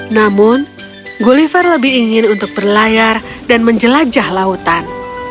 namun gulliver lebih ingin untuk berlayar dan menjelajah lautan